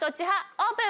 オープン！